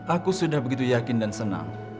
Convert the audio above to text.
aku sudah begitu yakin dan senang